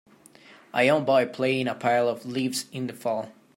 A young boy playing in a pile of leaves in the fall.